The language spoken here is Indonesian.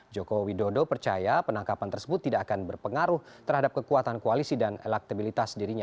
joko widodo percaya penangkapan tersebut tidak akan berpengaruh terhadap kekuatan koalisi dan elektabilitas dirinya